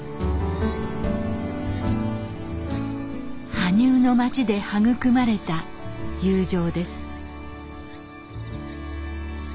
羽生の町で育まれた友情です。